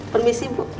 permisi bu dokter